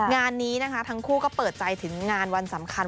งานนี้นะคะทั้งคู่ก็เปิดใจถึงงานวันสำคัญ